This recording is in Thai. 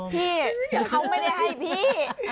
พี่แต่เขาไม่ได้ให้พี่